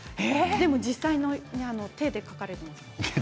でも実際に手で書かれています。